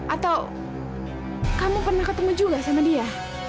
atau kamu pernah ketemu juga sama dia